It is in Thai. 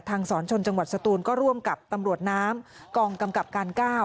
สอนชนจังหวัดสตูนก็ร่วมกับตำรวจน้ำกองกำกับการ๙